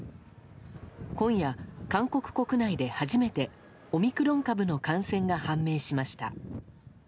今夜、韓国国内で初めてオミクロン株の感染が判明しました。